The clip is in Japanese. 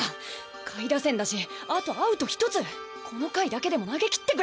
下位打線だしあとアウト１つこの回だけでも投げきってくれ！